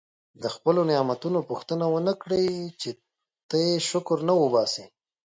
د خپلو نعمتونو پوښتنه ونه کړي چې ته یې شکر نه وباسې.